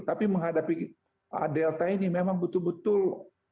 tapi menghadapi delta ini memang betul betul